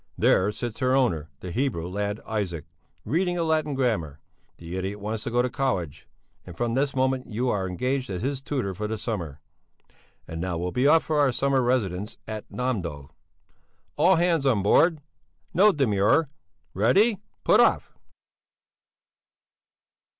There sits her owner, the Hebrew lad Isaac, reading a Latin grammar the idiot wants to go to college and from this moment you are engaged as his tutor for the summer and now we'll be off for our summer residence at Nämdö. All hands on board! No demur! Ready? Put off!"